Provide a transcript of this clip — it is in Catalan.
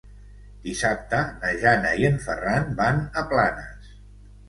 Dissabte na Jana i en Ferran van a Planes.